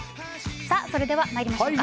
それでは参りましょう。